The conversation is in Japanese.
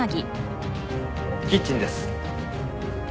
キッチンです。